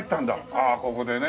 ああここでね。